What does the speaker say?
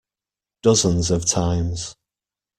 Dozens of times.